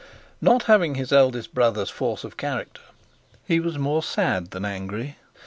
Not having his eldest brother's force of character, he was more sad than angry.